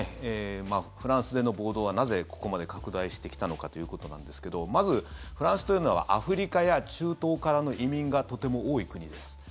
フランスでの暴動はなぜ、ここまで拡大してきたのかということなんですけどまず、フランスというのはアフリカや中東からの移民がとても多い国です。